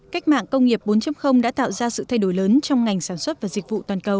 cách mạng công nghiệp bốn đã tạo ra sự thay đổi lớn trong ngành sản xuất và dịch vụ toàn cầu